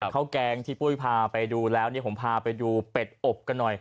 แกงที่ปุ้ยพาไปดูแล้วผมพาไปดูเป็ดอบกันหน่อย